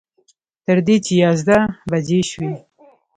تر دې چې یازده بجې شوې.